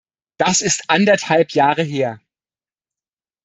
Das ist anderthalb Jahre her.